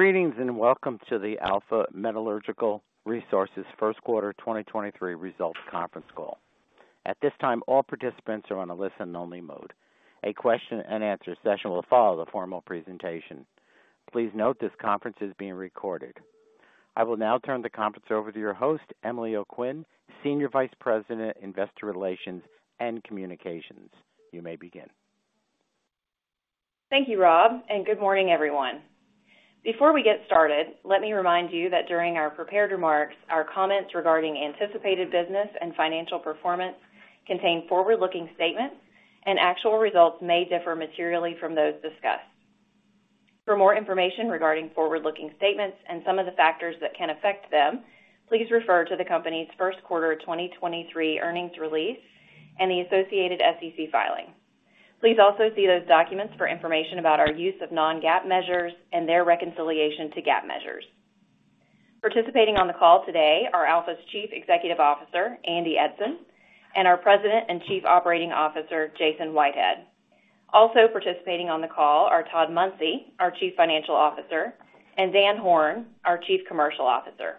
Greetings, and welcome to the Alpha Metallurgical Resources first quarter 2023 results conference call. At this time, all participants are on a listen only mode. A question and answer session will follow the formal presentation. Please note this conference is being recorded. I will now turn the conference over to your host, Emily O'Quinn, Senior Vice President, Investor Relations and Communications. You may begin. Thank you, Rob. Good morning, everyone. Before we get started, let me remind you that during our prepared remarks, our comments regarding anticipated business and financial performance contain forward-looking statements, and actual results may differ materially from those discussed. For more information regarding forward-looking statements and some of the factors that can affect them, please refer to the company's first quarter 2023 earnings release and the associated SEC filing. Please also see those documents for information about our use of non-GAAP measures and their reconciliation to GAAP measures. Participating on the call today are Alpha's Chief Executive Officer, Andy Eidson, and our President and Chief Operating Officer, Jason Whitehead. Also participating on the call are Todd Munsey, our Chief Financial Officer, and Dan Horn, our Chief Commercial Officer.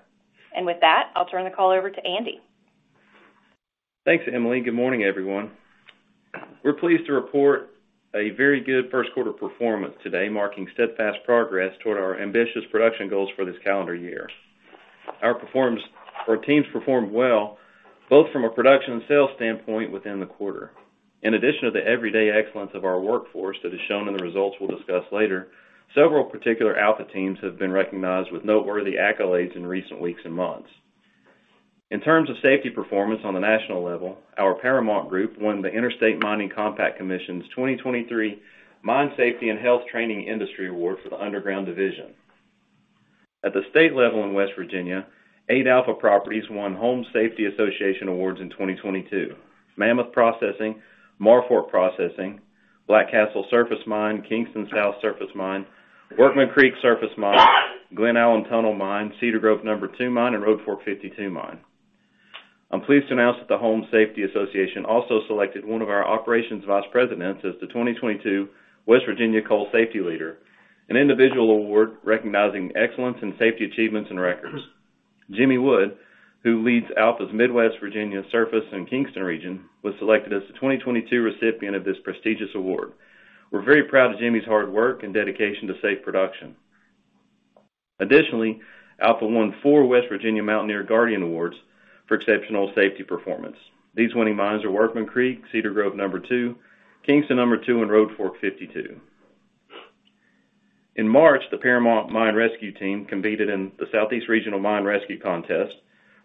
With that, I'll turn the call over to Andy. Thanks, Emily, good morning, everyone. We're pleased to report a very good first quarter performance today, marking steadfast progress toward our ambitious production goals for this calendar year. Our teams performed well both from a production and sales standpoint within the quarter. In addition to the everyday excellence of our workforce that is shown in the results we'll discuss later, several particular Alpha teams have been recognized with noteworthy accolades in recent weeks and months. In terms of safety performance on the national level, our Paramount Group won the Interstate Mining Compact Commission's 2023 Mine Safety and Health Training Industry Award for the underground division. At the state level in West Virginia, eight Alpha properties won Joseph A. Holmes Safety Association Awards in 2022. Mammoth Processing, Marfork Processing, Black Castle Surface Mine, Kingston South Surface Mine, Workman Creek Surface Mine, Glen Alum Tunnel Mine, Cedar Grove Number 2 Mine, and Road Fork 52 Mine. I'm pleased to announce that the Holmes Safety Association also selected one of our operations vice presidents as the 2022 West Virginia Coal Safety Leader, an individual award recognizing excellence in safety achievements and records. Jimmy Wood, who leads Alpha's Midwest Virginia Surface and Kingston region, was selected as the 2022 recipient of this prestigious award. We're very proud of Jimmy's hard work and dedication to safe production. Alpha won 4 West Virginia Mountaineer Guardian Awards for exceptional safety performance. These winning mines are Workman Creek, Cedar Grove Number 2, Kingston Number 2, and Road Fork 52. In March, the Paramount mine rescue team competed in the Southeast Regional Mine Rescue Contest,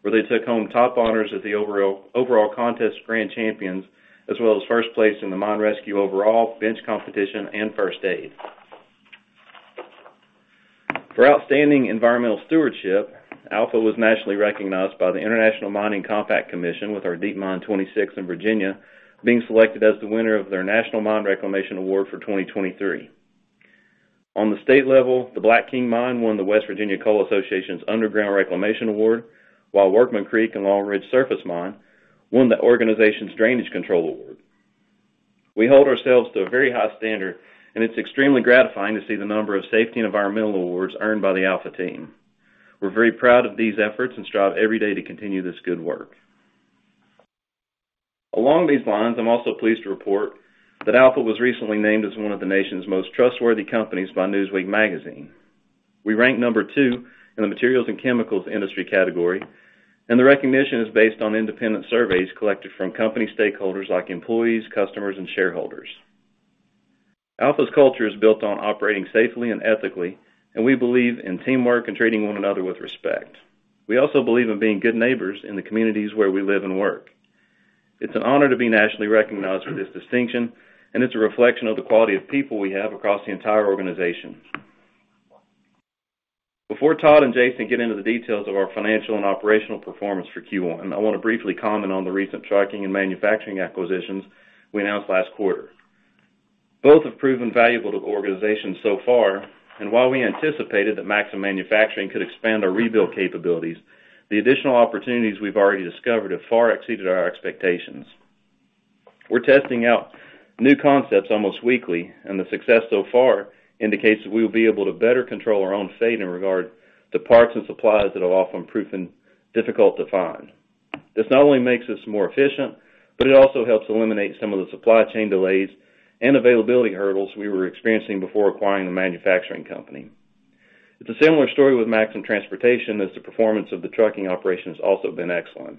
where they took home top honors as the overall contest grand champions, as well as first place in the mine rescue overall, bench competition, and first aid. For outstanding environmental stewardship, Alpha was nationally recognized by the Interstate Mining Compact Commission, with our Deep Mine 26 in Virginia being selected as the winner of their National Mine Reclamation Award for 2023. On the state level, the Black King Mine won the West Virginia Coal Association's Underground Mine Reclamation Award, while Workman Creek and Long Ridge Surface Mine won the organization's Drainage Structures/Water Management Award. We hold ourselves to a very high standard, it's extremely gratifying to see the number of safety and environmental awards earned by the Alpha team. We're very proud of these efforts and strive every day to continue this good work. Along these lines, I'm also pleased to report that Alpha was recently named as one of the nation's most trustworthy companies by Newsweek magazine. We ranked number 2 in the materials and chemicals industry category, and the recognition is based on independent surveys collected from company stakeholders, like employees, customers, and shareholders. Alpha's culture is built on operating safely and ethically, and we believe in teamwork and treating one another with respect. We also believe in being good neighbors in the communities where we live and work. It's an honor to be nationally recognized for this distinction, and it's a reflection of the quality of people we have across the entire organization. Before Todd and Jason get into the details of our financial and operational performance for Q1, I wanna briefly comment on the recent trucking and manufacturing acquisitions we announced last quarter. Both have proven valuable to the organization so far, and while we anticipated that Maxim Manufacturing could expand our rebuild capabilities, the additional opportunities we've already discovered have far exceeded our expectations. We're testing out new concepts almost weekly, and the success so far indicates that we will be able to better control our own fate in regard to parts and supplies that have often proven difficult to find. This not only makes us more efficient, but it also helps eliminate some of the supply chain delays and availability hurdles we were experiencing before acquiring the manufacturing company. It's a similar story with Maxim Transportation, as the performance of the trucking operation has also been excellent.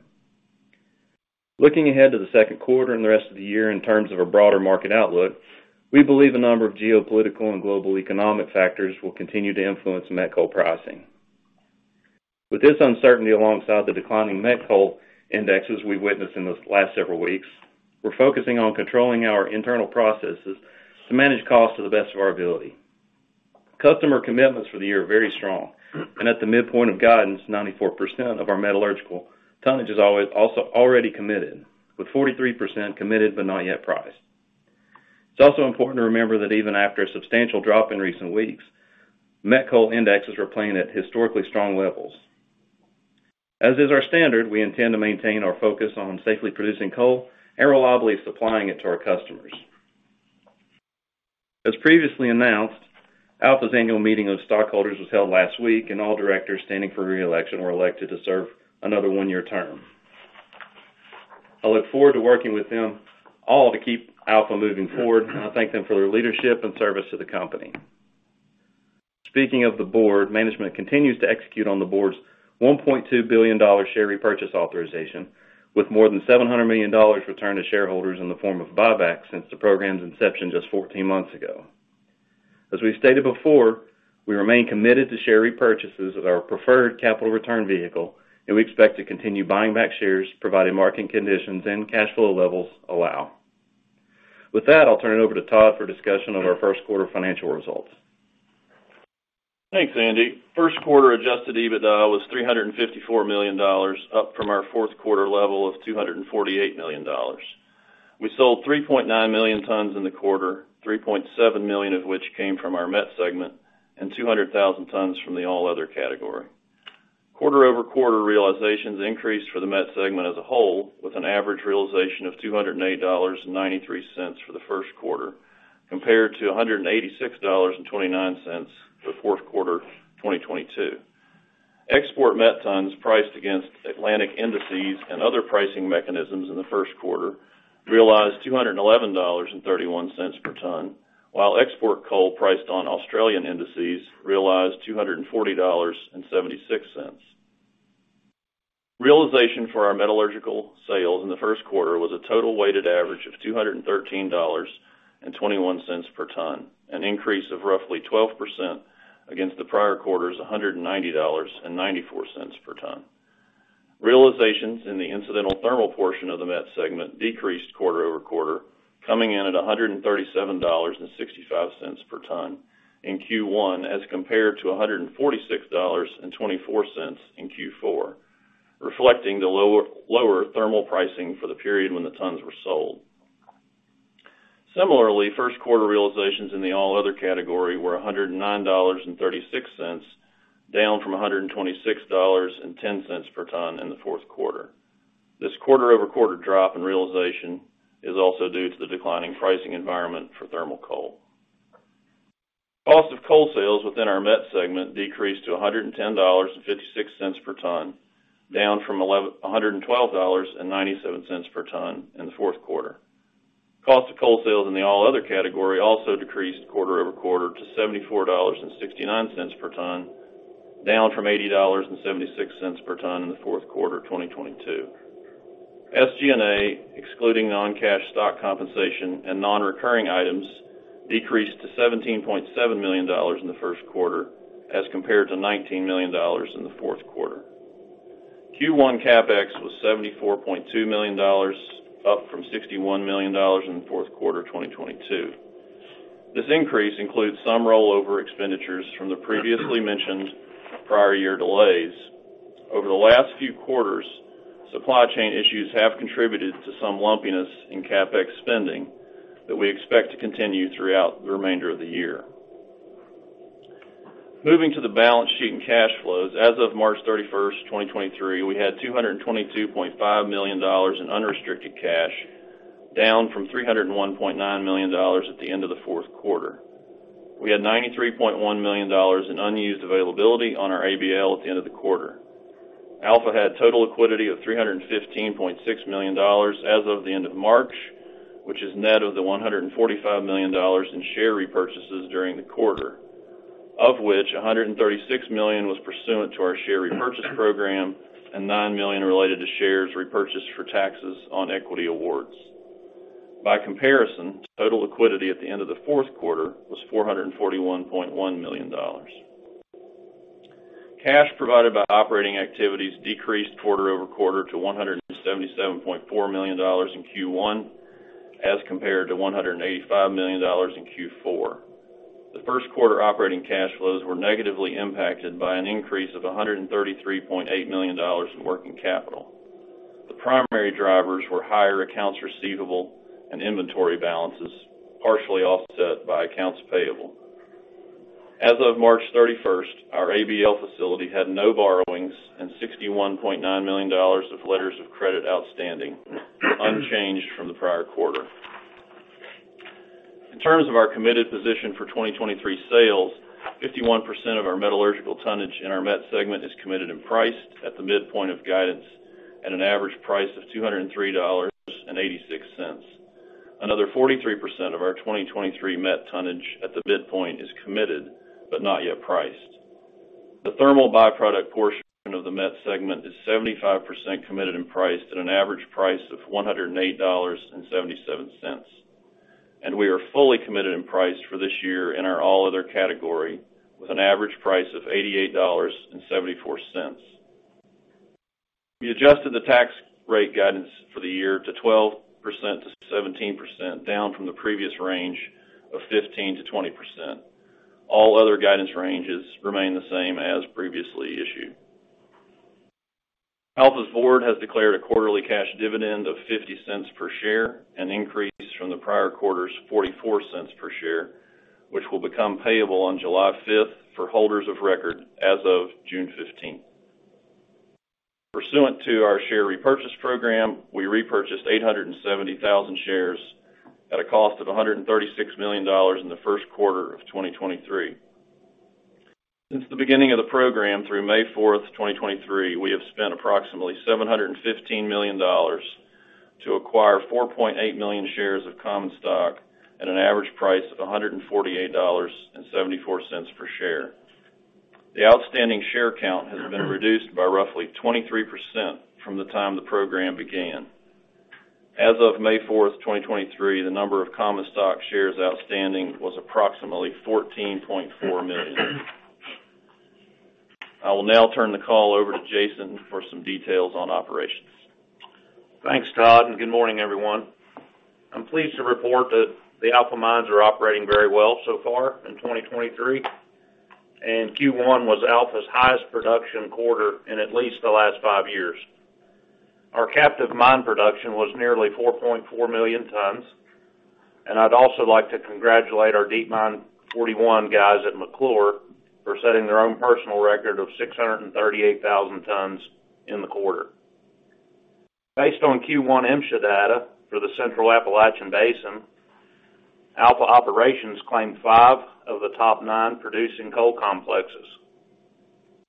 Looking ahead to the second quarter and the rest of the year in terms of our broader market outlook, we believe a number of geopolitical and global economic factors will continue to influence met coal pricing. With this uncertainty alongside the declining met coal indexes we've witnessed in the last several weeks, we're focusing on controlling our internal processes to manage costs to the best of our ability. Customer commitments for the year are very strong, and at the midpoint of guidance, 94% of our metallurgical tonnage is already committed, with 43% committed but not yet priced. It's also important to remember that even after a substantial drop in recent weeks, met coal indexes are playing at historically strong levels. As is our standard, we intend to maintain our focus on safely producing coal and reliably supplying it to our customers. As previously announced, Alpha's annual meeting of stockholders was held last week, all directors standing for re-election were elected to serve another 1-year term. I look forward to working with them all to keep Alpha moving forward, I thank them for their leadership and service to the company. Speaking of the board, management continues to execute on the board's $1.2 billion share repurchase authorization, with more than $700 million returned to shareholders in the form of buybacks since the program's inception just 14 months ago. We stated before, we remain committed to share repurchases as our preferred capital return vehicle, and we expect to continue buying back shares, providing marketing conditions and cash flow levels allow. With that, I'll turn it over to Todd for discussion of our 1st quarter financial results. Thanks, Andy. First quarter adjusted EBITDA was $354 million, up from our fourth quarter level of $248 million. We sold 3.9 million tons in the quarter, 3.7 million of which came from our met segment and 200,000 tons from the all other category. Quarter-over-quarter realizations increased for the met segment as a whole, with an average realization of $208.93 for the first quarter, compared to $186.29 for the fourth quarter 2022. Export met tons priced against Atlantic indices and other pricing mechanisms in the first quarter realized $211.31 per ton, while export coal priced on Australian indices realized $240.76. Realization for our metallurgical sales in the first quarter was a total weighted average of $213.21 per ton, an increase of roughly 12% against the prior quarter's $190.94 per ton. Realizations in the incidental thermal portion of the met segment decreased quarter-over-quarter, coming in at $137.65 per ton in Q1 as compared to $146.24 in Q4, reflecting the lower thermal pricing for the period when the tons were sold. Similarly, first quarter realizations in the all other category were $109.36, down from $126.10 per ton in the fourth quarter. This quarter-over-quarter drop in realization is also due to the declining pricing environment for thermal coal. Cost of coal sales within our met segment decreased to $110.56 per ton, down from $112.97 per ton in the fourth quarter. Cost of coal sales in the all other category also decreased quarter-over-quarter to $74.69 per ton, down from $80.76 per ton in the fourth quarter of 2022. SG&A, excluding non-cash stock compensation and non-recurring items, decreased to $17.7 million in the first quarter as compared to $19 million in the fourth quarter. Q1 CapEx was $74.2 million, up from $61 million in the fourth quarter 2022. This increase includes some rollover expenditures from the previously mentioned prior year delays. Over the last few quarters, supply chain issues have contributed to some lumpiness in CapEx spending that we expect to continue throughout the remainder of the year. Moving to the balance sheet and cash flows, as of March 31st, 2023, we had $222.5 million in unrestricted cash, down from $301.9 million at the end of the fourth quarter. We had $93.1 million in unused availability on our ABL at the end of the quarter. Alpha had total liquidity of $315.6 million as of the end of March, which is net of the $145 million in share repurchases during the quarter, of which $136 million was pursuant to our share repurchase program and $9 million related to shares repurchased for taxes on equity awards. By comparison, total liquidity at the end of the fourth quarter was $441.1 million. Cash provided by operatig activities decreased quarter-over-quarter to $177.4 million in Q1, as compared to $185 million in Q4. The first quarter operating cash flows were negatively impacted by an increase of $133.8 million in working capital. The primary drivers were higher accounts receivable and inventory balances, partially offset by accounts payable. As of March 31st, our ABL facility had no borrowings and $61.9 million of letters of credit outstanding, unchanged from the prior quarter. In terms of our committed position for 2023 sales, 51% of our metallurgical tonnage in our met segment is committed and priced at the midpoint of guidance at an average price of $203.86. Another 43% of our 2023 met tonnage at the midpoint is committed but not yet priced. The thermal byproduct portion of the met segment is 75% committed and priced at an average price of $108.77. We are fully committed and priced for this year in our all other category with an average price of $88.74. We adjusted the tax rate guidance for the year to 12%-17%, down from the previous range of 15%-20%. All other guidance ranges remain the same as previously issued. Alpha's board has declared a quarterly cash dividend of $0.50 per share, an increase from the prior quarter's $0.44 per share. Which will become payable on July 5th for holders of record as of June 15th. Pursuant to our share repurchase program, we repurchased 870,000 shares at a cost of $136 million in the first quarter of 2023. Since the beginning of the program through May 4, 2023, we have spent approximately $715 million to acquire 4.8 million shares of common stock at an average price of $148.74 per share. The outstanding share count has been reduced by roughly 23% from the time the program began. As of May 4, 2023, the number of common stock shares outstanding was approximately 14.4 million. I will now turn the call over to Jason for some details on operations. Thanks, Todd. Good morning, everyone. I'm pleased to report that the Alpha mines are operating very well so far in 2023, and Q1 was Alpha's highest production quarter in at least the last 5 years. Our captive mine production was nearly 4.4 million tons, and I'd also like to congratulate our Deep Mine 41 guys at McClure for setting their own personal record of 638,000 tons in the quarter. Based on Q1 MSHA data for the Central Appalachian Basin, Alpha operations claimed 5 of the top 9 producing coal complexes.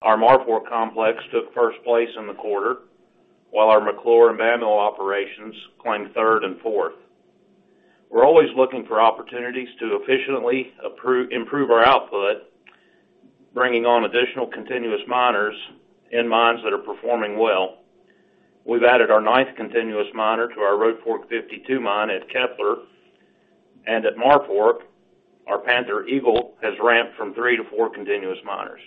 Our Marfork complex took 1st place in the quarter, while our McClure and Bandmill operations claimed 3rd and 4th. We're always looking for opportunities to efficiently improve our output, bringing on additional continuous miners in mines that are performing well. We've added our ninth continuous miner to our Road Fork 52 mine at Kepler. At Marfork, our Panther Eagle has ramped from 3 to 4 continuous miners.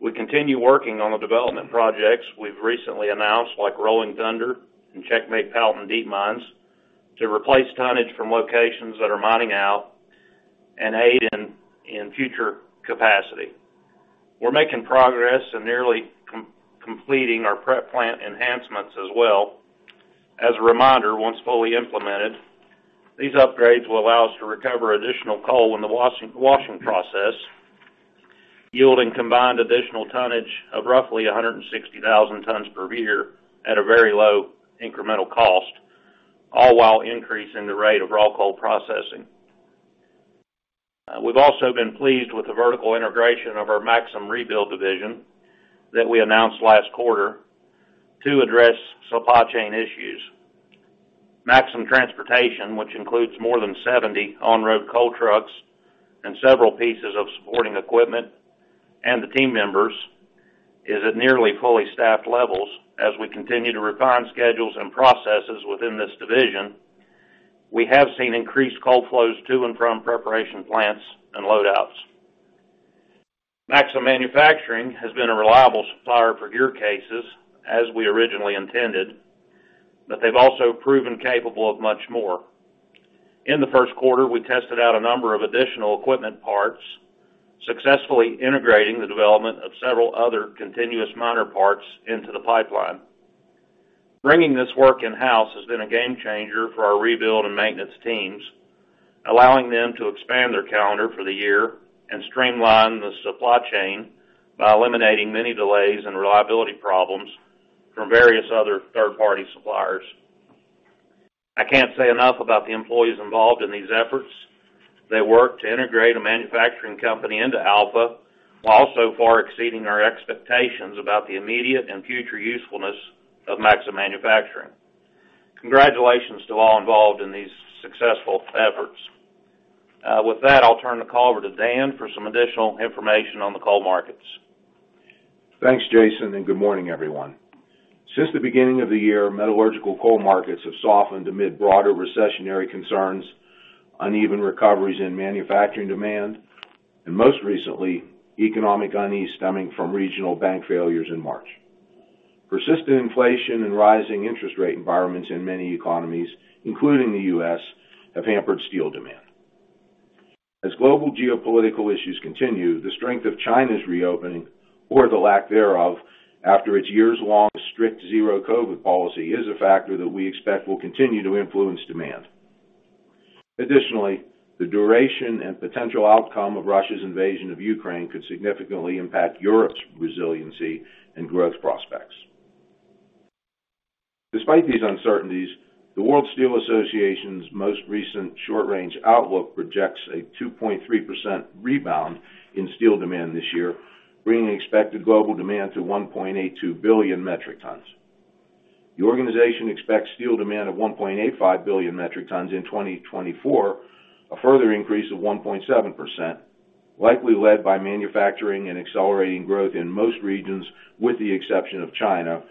We continue working on the development projects we've recently announced, like Rolling Thunder and Checkmate Powellton deep mines, to replace tonnage from locations that are mining out and aid in future capacity. We're making progress in nearly completing our prep plant enhancements as well. As a reminder, once fully implemented, these upgrades will allow us to recover additional coal in the washing process, yielding combined additional tonnage of roughly 160,000 tons per year at a very low incremental cost, all while increasing the rate of raw coal processing. We've also been pleased with the vertical integration of our Maxim Rebuild division that we announced last quarter to address supply chain issues. Maxim Transportation, which includes more than 70 on-road coal trucks and several pieces of supporting equipment and the team members, is at nearly fully staffed levels. As we continue to refine schedules and processes within this division, we have seen increased coal flows to and from preparation plants and load outs. Maxim Manufacturing has been a reliable supplier for gear cases as we originally intended, but they've also proven capable of much more. In the first quarter, we tested out a number of additional equipment parts, successfully integrating the development of several other continuous miner parts into the pipeline. Bringing this work in-house has been a game changer for our rebuild and maintenance teams, allowing them to expand their calendar for the year and streamline the supply chain by eliminating many delays and reliability problems from various other third-party suppliers. I can't say enough about the employees involved in these efforts. They work to integrate a manufacturing company into Alpha while also far exceeding our expectations about the immediate and future usefulness of Maxim Manufacturing. Congratulations to all involved in these successful efforts. With that, I'll turn the call over to Dan for some additional information on the coal markets. Thanks, Jason, and good morning, everyone. Since the beginning of the year, metallurgical coal markets have softened amid broader recessionary concerns, uneven recoveries in manufacturing demand, and most recently, economic unease stemming from regional bank failures in March. Persistent inflation and rising interest rate environments in many economies, including the U.S., have hampered steel demand. As global geopolitical issues continue, the strength of China's reopening, or the lack thereof, after its years-long strict zero-COVID policy is a factor that we expect will continue to influence demand. Additionally, the duration and potential outcome of Russia's invasion of Ukraine could significantly impact Europe's resiliency and growth prospects. Despite these uncertainties, the World Steel Association's most recent short-range outlook projects a 2.3% rebound in steel demand this year, bringing expected global demand to 1.82 billion metric tons. The organization expects steel demand of 1.85 billion metric tons in 2024, a further increase of 1.7%, likely led by manufacturing and accelerating growth in most regions, with the exception of China,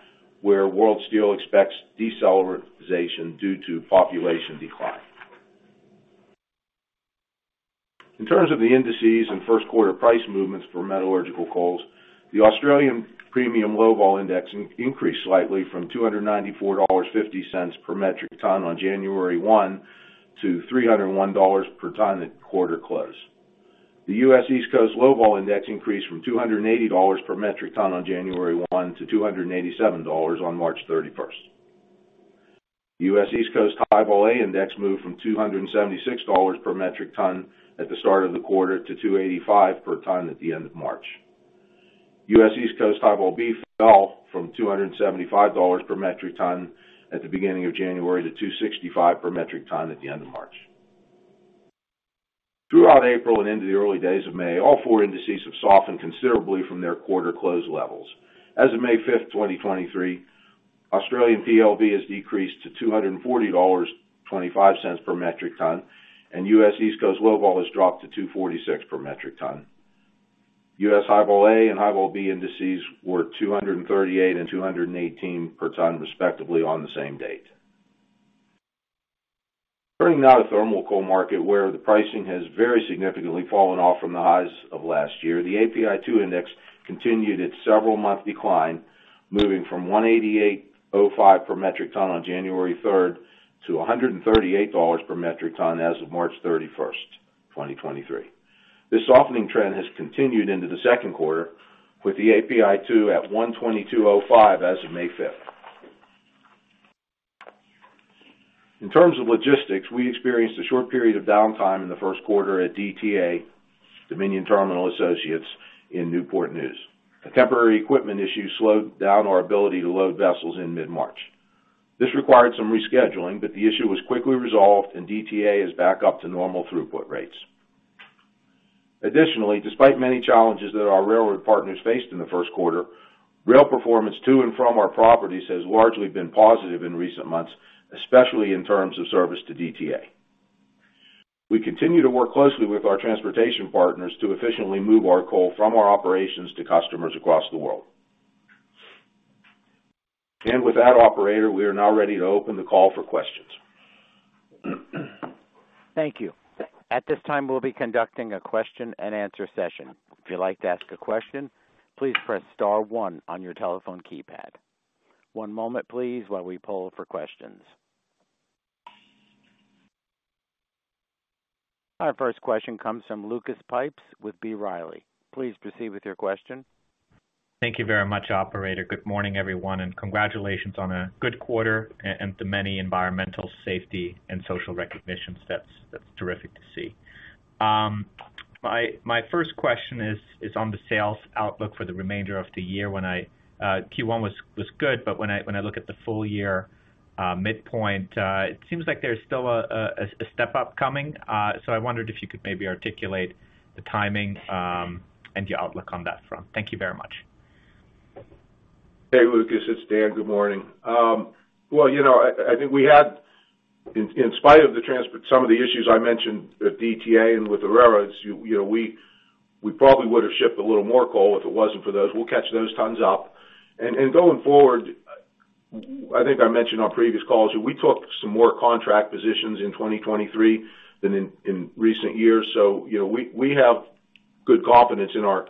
where World Steel expects deceleration due to population decline. In terms of the indices and first quarter price movements for metallurgical coals, the Australian Premium Low Vol index increased slightly from $294.50 per metric ton on January 1 to $301 per ton at quarter close. The US East Coast Low Vol index increased from $280 per metric ton on January 1 to $287 on March 31. US East Coast High Vol A index moved from $276 per metric ton at the start of the quarter to $285 per ton at the end of March. US East Coast High Vol B fell from $275 per metric ton at the beginning of January to $265 per metric ton at the end of March. Throughout April and into the early days of May, all four indices have softened considerably from their quarter close levels. As of May 5, 2023, Australian PLV has decreased to $240.25 per metric ton, and US East Coast Low Vol has dropped to $246 per metric ton. US High Vol A and High Vol B indices were $238 and $218 per ton, respectively, on the same date. Turning now to thermal coal market, where the pricing has very significantly fallen off from the highs of last year. The API2 index continued its several month decline, moving from $188.05 per metric ton on January 3rd to $138 per metric ton as of March 31st, 2023. This softening trend has continued into the second quarter with the API2 at $122.05 as of May 5th. In terms of logistics, we experienced a short period of downtime in the first quarter at DTA, Dominion Terminal Associates in Newport News. A temporary equipment issue slowed down our ability to load vessels in mid-March. This required some rescheduling, but the issue was quickly resolved and DTA is back up to normal throughput rates. Additionally, despite many challenges that our railroad partners faced in the first quarter, rail performance to and from our properties has largely been positive in recent months, especially in terms of service to DTA. We continue to work closely with our transportation partners to efficiently move our coal from our operations to customers across the world. With that operator, we are now ready to open the call for questions. Thank you. At this time, we'll be conducting a question and answer session. If you'd like to ask a question, please press star one on your telephone keypad. One moment, please, while we poll for questions. Our first question comes from Lucas Pipes with B. Riley. Please proceed with your question. Thank you very much, operator. Good morning, everyone, and congratulations on a good quarter and the many environmental safety and social recognitions. That's terrific to see. My first question is on the sales outlook for the remainder of the year when I Q1 was good, but when I look at the full year midpoint, it seems like there's still a step-up coming. I wondered if you could maybe articulate the timing, and the outlook on that front. Thank you very much. Hey, Lucas, it's Dan. Good morning. Well, you know, I think in spite of some of the issues I mentioned with DTA and with the railroads, you know, we probably would have shipped a little more coal if it wasn't for those. We'll catch those tons up. Going forward, I think I mentioned on previous calls, we took some more contract positions in 2023 than in recent years. You know, we have good confidence in our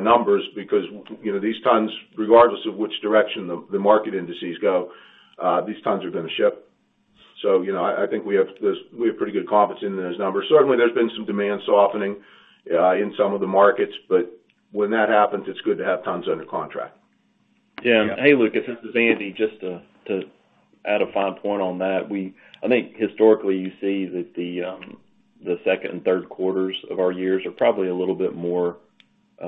numbers because, you know, these tons, regardless of which direction the market indices go, these tons are going to ship. You know, I think we have pretty good confidence in those numbers. Certainly, there's been some demand softening, in some of the markets, but when that happens, it's good to have tons under contract. Yeah. Hey, Lucas, this is Andy. Just to add a fine point on that, I think historically, you see that the second and third quarters of our years are probably a little bit more, a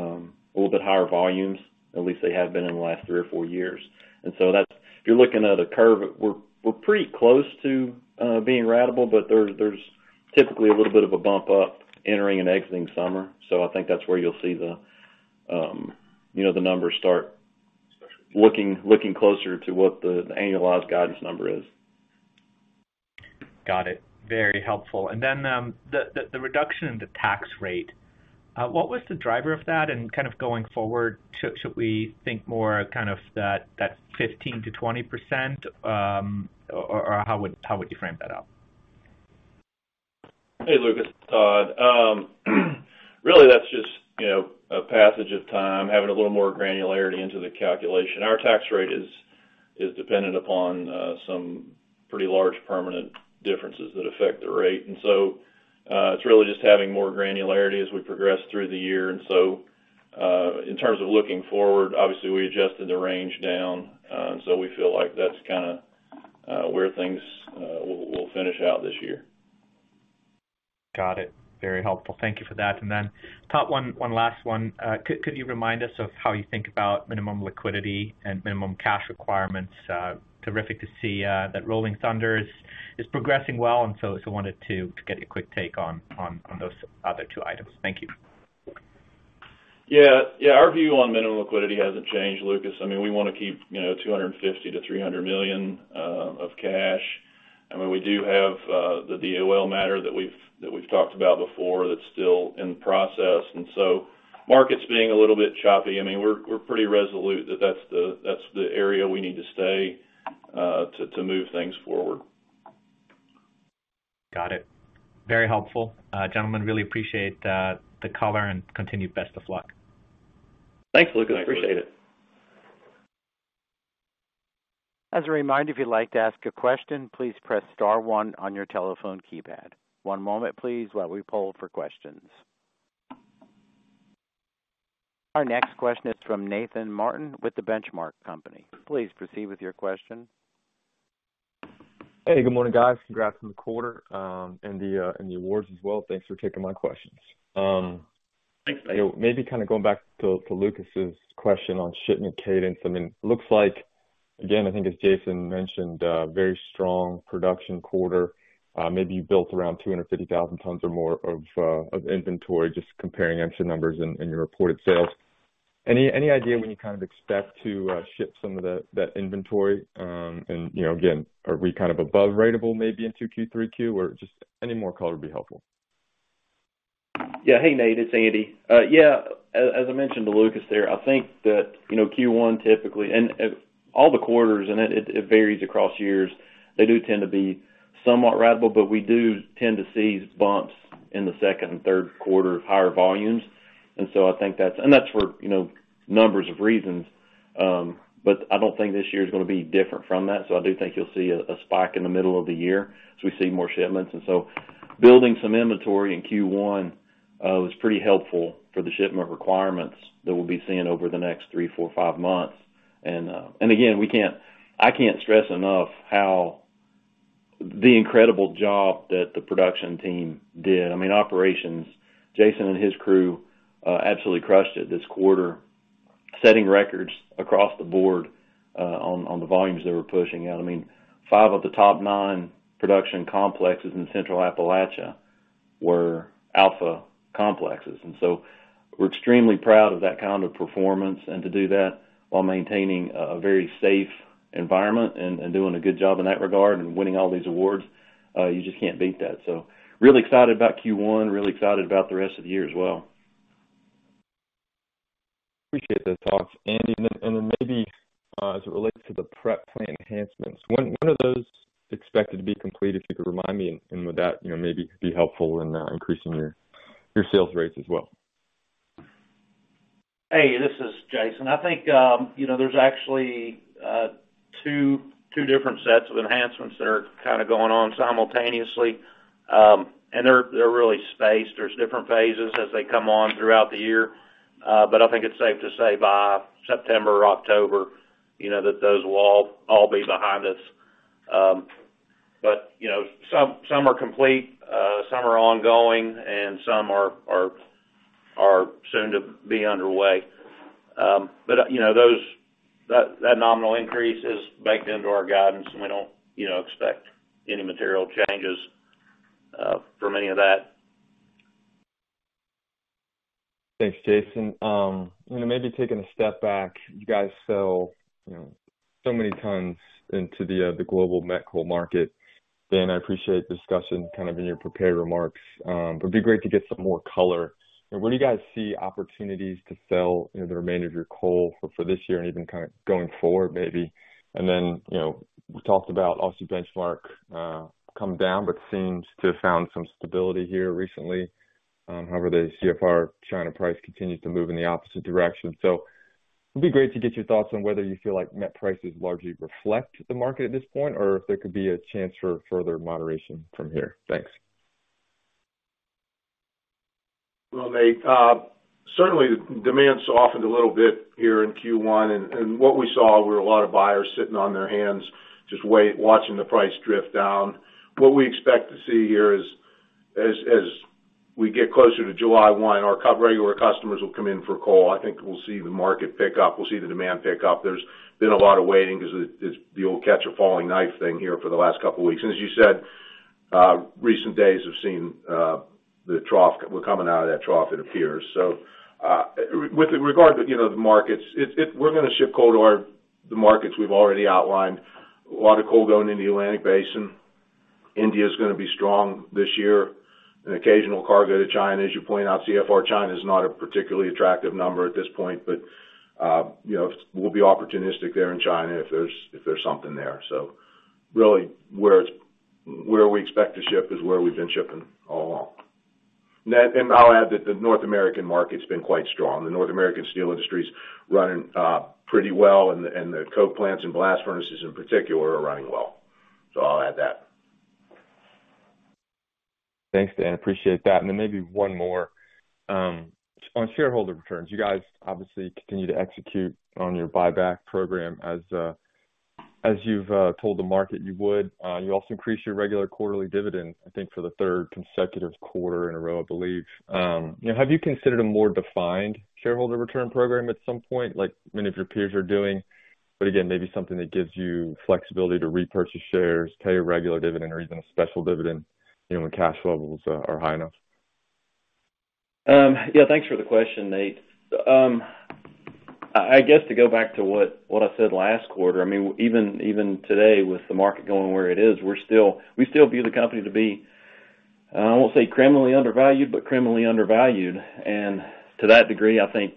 little bit higher volumes, at least they have been in the last three or four years. That's if you're looking at a curve, we're pretty close to being ratable, but there's typically a little bit of a bump up entering and exiting summer. I think that's where you'll see the, you know, the numbers start looking closer to what the annualized guidance number is. Got it. Very helpful. Then, the reduction in the tax rate, what was the driver of that? Kind of going forward, should we think more kind of that 15%-20%, or how would you frame that out? Hey, Lucas, it's Todd. really, that's just, you know, a passage of time, having a little more granularity into the calculation. Our tax rate is dependent upon some pretty large permanent differences that affect the rate. It's really just having more granularity as we progress through the year. In terms of looking forward, obviously, we adjusted the range down. We feel like that's kinda where things will finish out this year. Got it. Very helpful. Thank you for that. Top one last one. Could you remind us of how you think about minimum liquidity and minimum cash requirements? Terrific to see that Rolling Thunder is progressing well, just wanted to get a quick take on those other two items. Thank you. Yeah, yeah, our view on minimum liquidity hasn't changed, Lucas. I mean, we wanna keep, you know, $250 million-$300 million of cash. I mean, we do have the DOL matter that we've talked about before that's still in process. Markets being a little bit choppy. I mean, we're pretty resolute that that's the area we need to stay to move things forward. Got it. Very helpful. Gentlemen, really appreciate the color and continued best of luck. Thanks, Lucas. Appreciate it. As a reminder, if you'd like to ask a question, please press star one on your telephone keypad. One moment, please, while we poll for questions. Our next question is from Nathan Martin with The Benchmark Company. Please proceed with your question. Hey, good morning, guys. Congrats on the quarter, and the awards as well. Thanks for taking my questions. Thanks, Nathan. Maybe kind of going back to Lucas's question on shipment cadence. I mean, looks like, again, I think as Jason mentioned, a very strong production quarter, maybe you built around 250,000 tons or more of inventory, just comparing MSHA numbers and your reported sales. Any idea when you kind of expect to ship that inventory? You know, again, are we kind of above ratable maybe in 2Q, 3Q? Or just any more color would be helpful. Yeah. Hey, Nathan, it's Andy. as I mentioned to Lucas, I think that, you know, Q1 typically, all the quarters, and it varies across years. They do tend to be somewhat ratable, we do tend to see bumps in the second and third quarter of higher volumes. That's for, you know, numbers of reasons, I don't think this year is gonna be different from that. I do think you'll see a spike in the middle of the year as we see more shipments. Building some inventory in Q1 was pretty helpful for the shipment requirements that we'll be seeing over the next 3, 4, 5 months. I can't stress enough how the incredible job that the production team did. I mean, operations, Jason and his crew, absolutely crushed it this quarter, setting records across the board, on the volumes they were pushing out. I mean, 5 of the top 9 production complexes in Central Appalachia were Alpha complexes. We're extremely proud of that kind of performance. To do that while maintaining a very safe environment and doing a good job in that regard and winning all these awards, you just can't beat that. Really excited about Q1. Really excited about the rest of the year as well. Appreciate those thoughts, Andy. Maybe, as it relates to the prep plant enhancements, when are those expected to be completed? If you could remind me. With that, you know, maybe it could be helpful in increasing your sales rates as well. Hey, this is Jason. I think, you know, there's actually 2 different sets of enhancements that are kind of going on simultaneously. They're really spaced. There's different phases as they come on throughout the year. I think it's safe to say by September or October, you know, that those will all be behind us. You know, some are complete, some are ongoing, some are soon to be underway. You know, that nominal increase is baked into our guidance, we don't, you know, expect any material changes from any of that. Thanks, Jason. You know, maybe taking a step back, you guys sell, you know, so many tons into the global met coal market. Dan, I appreciate the discussion kind of in your prepared remarks. It'd be great to get some more color. You know, where do you guys see opportunities to sell, you know, the remainder of your coal for this year and even kind of going forward maybe? You know, we talked about Aussie benchmark come down, but seems to have found some stability here recently. However, the CFR China price continues to move in the opposite direction. It'd be great to get your thoughts on whether you feel like met prices largely reflect the market at this point, or if there could be a chance for further moderation from here? Thanks. Well, Nate, certainly demand softened a little bit here in Q1. What we saw were a lot of buyers sitting on their hands just watching the price drift down. What we expect to see here is as we get closer to July 1, our regular customers will come in for coal. I think we'll see the market pick up. We'll see the demand pick up. There's been a lot of waiting because it's the old catch-a-falling-knife thing here for the last couple weeks. As you said, recent days have seen the trough. We're coming out of that trough, it appears. With regard to, you know, the markets, we're gonna ship coal to the markets we've already outlined. A lot of coal going into the Atlantic Basin. India is gonna be strong this year. An occasional cargo to China. As you point out, CFR China is not a particularly attractive number at this point, but, you know, we'll be opportunistic there in China if there's something there. Really where we expect to ship is where we've been shipping all along. I'll add that the North American market's been quite strong. The North American steel industry's running pretty well, and the coke plants and blast furnaces in particular are running well. I'll add that. Thanks, Dan. Appreciate that. Then maybe one more. On shareholder returns, you guys obviously continue to execute on your buyback program as you've told the market you would. You also increased your regular quarterly dividend, I think, for the third consecutive quarter in a row, I believe. You know, have you considered a more defined shareholder return program at some point, like many of your peers are doing? Again, maybe something that gives you flexibility to repurchase shares, pay a regular dividend or even a special dividend, you know, when cash flows are high enough. Yeah, thanks for the question, Nate. I guess to go back to what I said last quarter, I mean, even today, with the market going where it is, we still view the company to be, I won't say criminally undervalued, but criminally undervalued. To that degree, I think,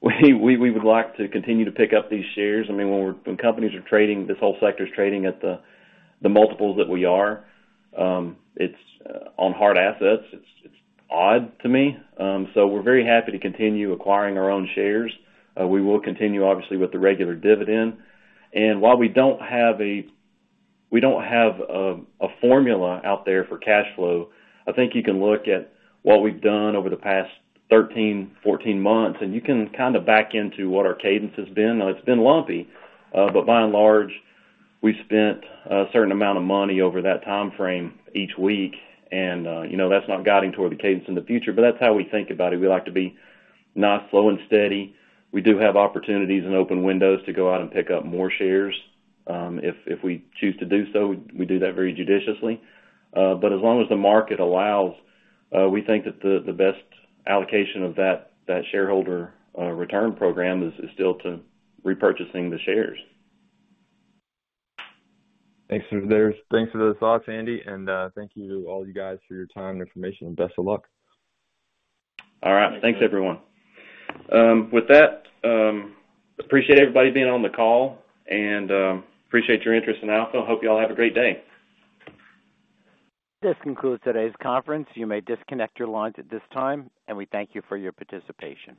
we would like to continue to pick up these shares. I mean, when companies are trading, this whole sector is trading at the multiples that we are, it's on hard assets. It's, it's odd to me. We're very happy to continue acquiring our own shares. We will continue obviously with the regular dividend. While we don't have a formula out there for cash flow, I think you can look at what we've done over the past 13, 14 months, and you can kinda back into what our cadence has been. It's been lumpy, but by and large, we spent a certain amount of money over that timeframe each week. You know, that's not guiding toward the cadence in the future, but that's how we think about it. We like to be nice, slow, and steady. We do have opportunities and open windows to go out and pick up more shares. If we choose to do so, we do that very judiciously. As long as the market allows, we think that the best allocation of that shareholder return program is still to repurchasing the shares. Thanks for those. Thanks for those thoughts, Andy. Thank you to all you guys for your time and information, and best of luck. Thanks, everyone. With that, appreciate everybody being on the call and, appreciate your interest in Alpha. Hope you all have a great day. This concludes today's conference. You may disconnect your lines at this time, and we thank you for your participation.